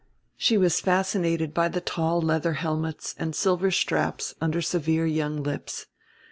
She was fascinated by the tall leather helmets and silver straps under severe young lips.